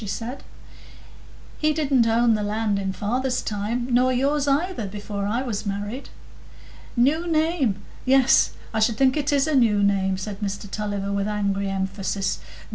she said; "he didn't own the land in father's time, nor yours either, before I was married." "New name? Yes, I should think it is a new name," said Mr Tulliver, with angry emphasis.